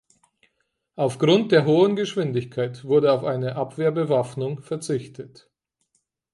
Aufgrund der hohen Geschwindigkeit wurde auf eine Abwehrbewaffnung verzichtet.